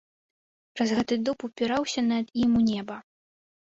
Разгаты дуб упіраўся над ім у неба.